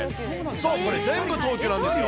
そう、これ全部東急なんですよ。